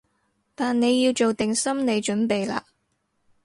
但你要做定心理準備喇